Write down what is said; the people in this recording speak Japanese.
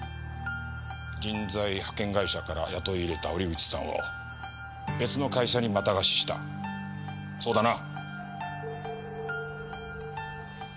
人材派遣会社から雇い入れた折口さんを別の会社に又貸ししたそうだな！？